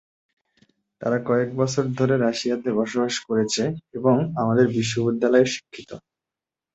তারা কয়েক বছর ধরে রাশিয়াতে বসবাস করেছে এবং আমাদের বিশ্ববিদ্যালয়ে শিক্ষিত।